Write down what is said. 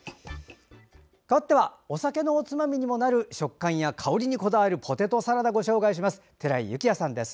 かわってはお酒のおつまみにもなる食感や香りにこだわるポテトサラダご紹介します。